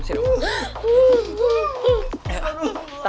aduh aduh aduh aduh